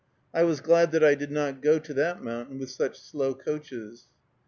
I was glad that I did not go to that mountain with such slow coaches.